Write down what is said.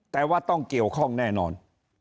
แต่ว่าต้องเกี่ยวข้องแน่นอน